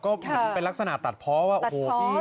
ก็เป็นลักษณะตัดพ้อว่าโอ้โหพี่พี่